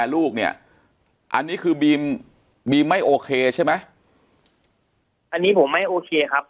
ลูกเนี่ยอันนี้คือบีมบีมไม่โอเคใช่ไหมอันนี้ผมไม่โอเคครับ